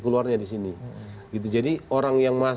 keluarnya di sini gitu jadi orang yang